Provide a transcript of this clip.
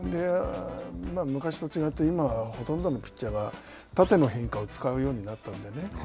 昔と違って今はほとんどのピッチャーが縦の変化を使うようになったのでね。